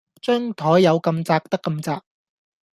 張檯有咁窄得咁窄